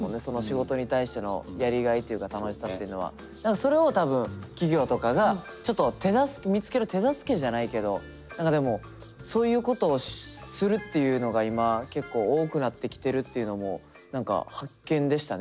結局それを多分企業とかがちょっと手助け見つける手助けじゃないけど何かでもそういうことをするっていうのが今結構多くなってきてるっていうのも何か発見でしたね。